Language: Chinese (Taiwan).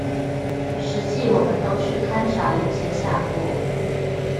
實際我們都去勘查與接洽過